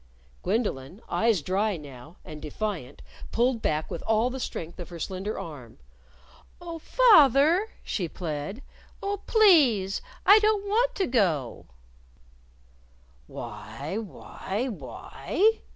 Gwendolyn, eyes dry now, and defiant, pulled back with all the strength of her slender arm. "Oh, fath er!" she plead. "Oh, please, I don't want to go!" "Why! Why! Why!"